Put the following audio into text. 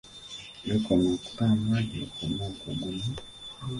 Gy'okoma okutambula gy'okoma okuguma.